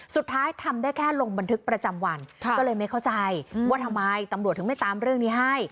ทำได้แค่ลงบันทึกประจำวันก็เลยไม่เข้าใจว่าทำไมตำรวจถึงไม่ตามเรื่องนี้ให้